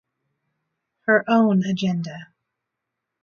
Her own agenda.